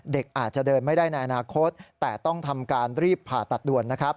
เด็กอาจจะเดินไม่ได้ในอนาคตแต่ต้องทำการรีบผ่าตัดด่วนนะครับ